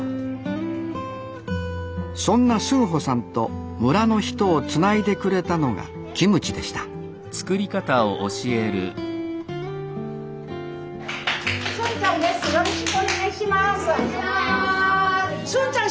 そんなスンホさんと村の人をつないでくれたのがキムチでしたスンちゃんです。